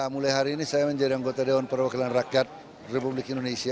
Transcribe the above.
mulai hari ini saya menjadi anggota dewan perwakilan rakyat republik indonesia